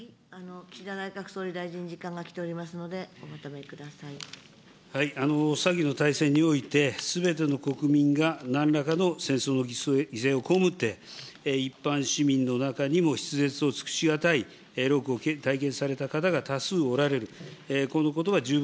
岸田内閣総理大臣、時間が来ておりますので、おまとめくださ先の大戦において、すべての国民がなんらかの戦争の犠牲を被って、一般市民の中にも、筆舌を尽くし難い労苦を体験された方がいらっしゃる、。